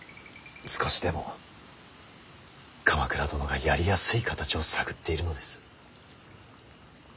少しでも鎌倉殿がやりやすい形を探っているのです。